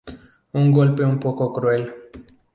Un golpe un poco cruel".